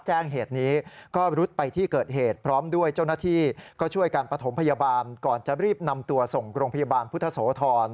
เพื่อการปฐมพยาบาลก่อนจะรีบนำตัวส่งโรงพยาบาลพุทธโสธร